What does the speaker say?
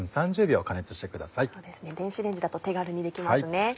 電子レンジだと手軽にできますね。